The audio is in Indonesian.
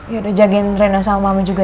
yaudah jagain reina sama mami juga ya